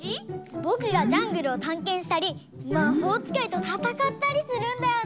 ぼくがジャングルをたんけんしたりまほうつかいとたたかったりするんだよね。